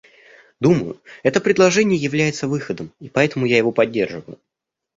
Думаю, это предложение является выходом, и поэтому я его поддерживаю.